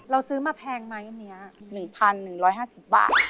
เราซื้อมาแพงไหมอันนี้ประมาท๑๑๕๐บาท